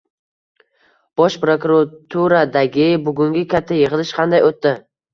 Bosh prokuraturadagi bugungi katta yig‘ilish qanday o‘tdi?